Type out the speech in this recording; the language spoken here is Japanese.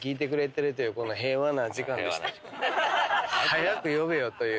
早く呼べよという。